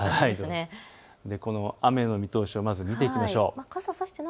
雨の見通しを見ていきましょう。